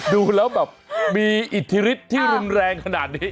ดูแล้วแบบมีอิทธิฤทธิที่รุนแรงขนาดนี้